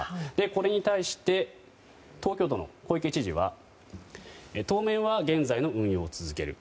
これに対して、東京都の小池知事は当面は現在の運用を続ける。